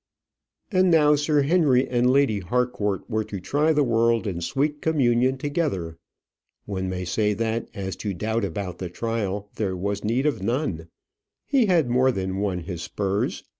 And now Sir Henry and Lady Harcourt were to try the world in sweet communion together. One may say that, as to doubt about the trial, there was need of none. He had more than won his spurs.